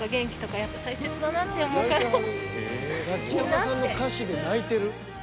ザキヤマさんの歌詞で泣いてる。